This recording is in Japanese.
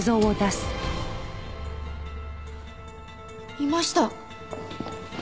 いました！